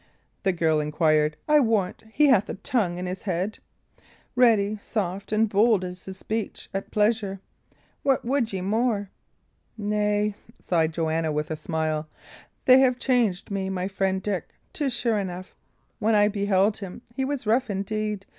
the girl inquired. "I warrant he hath a tongue in his head; ready, soft, and bold is his speech at pleasure. What would ye more?" "Nay," sighed Joanna, with a smile, "they have changed me my friend Dick, 'tis sure enough. When I beheld him, he was rough indeed.